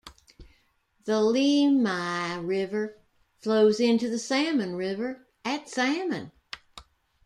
The Lemhi River flows into the Salmon River at Salmon.